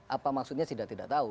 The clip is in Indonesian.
apa maksudnya sidang tidak tahu